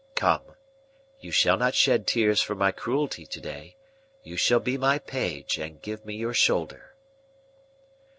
Come! You shall not shed tears for my cruelty to day; you shall be my Page, and give me your shoulder."